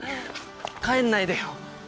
帰んないでよ。